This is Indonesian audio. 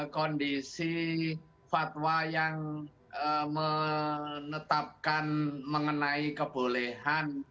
kondisi fatwa yang menetapkan mengenai kebolehan